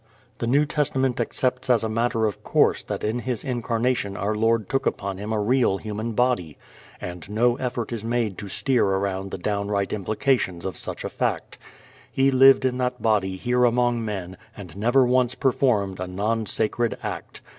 The New Testament accepts as a matter of course that in His incarnation our Lord took upon Him a real human body, and no effort is made to steer around the downright implications of such a fact. He lived in that body here among men and never once performed a non sacred act.